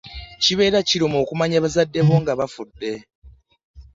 Kibeera kiruma okumanya bazadde bo nga bafudde.